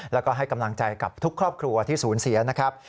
แล้วก็ให้กำลังใจกับทุกครอบครัวที่สูญเสียนะครับ